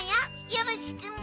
よろしくね。